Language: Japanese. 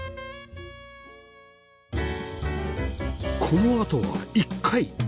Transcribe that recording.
このあとは１階